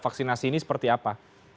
vaksinasi ini seperti apa